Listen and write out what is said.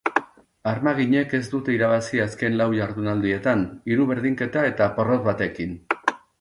Armaginek ez dute irabazi azken lau jardunaldietan, hiru berdinketa eta porrot batekin.